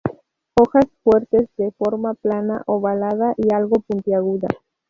Hojas fuertes de forma plana, ovalada y algo puntiaguda.